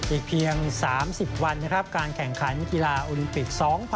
อีกเพียง๓๐วันนะครับการแข่งขันกีฬาโอลิมปิก๒๐๑๖